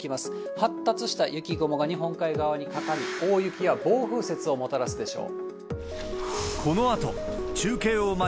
発達した雪雲が日本海側にかかり、大雪や暴風雪をもたらすでしょう。